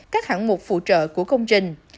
các hạng mục phụ trợ của công trình